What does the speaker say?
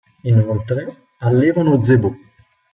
Inoltre, allevano zebù.